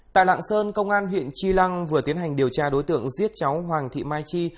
tại lạng sơn công an huyện tri lăng vừa tiến hành điều tra đối tượng giết cháu hoàng thị mai chi